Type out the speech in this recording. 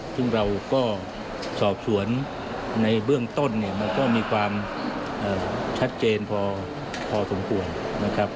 ซึ่งเราก็สอบสวนในเบื้องต้นเนี่ยมันก็มีความชัดเจนพอสมควรนะครับ